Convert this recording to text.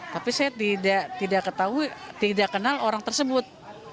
tapi saya tidak ketahui tidak kenal orang tersebut